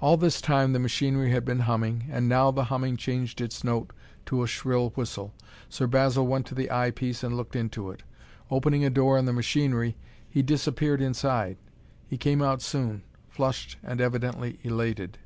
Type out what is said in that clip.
All this time, the machinery had been humming, and now the humming changed its note to a shrill whistle. Sir Basil went to the eye piece and looked into it. Opening a door in the machinery, he disappeared inside. He came out soon, flushed and evidently elated.